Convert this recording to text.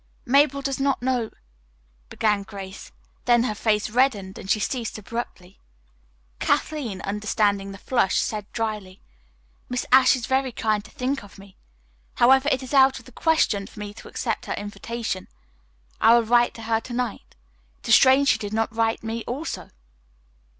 Mabel does not know " began Grace. Then her face reddened and she ceased abruptly. Kathleen, understanding the flush, said dryly: "Miss Ashe is very kind to think of me. However, it is out of the question for me to accept her invitation. I will write her to night. It is strange she did not write me, too."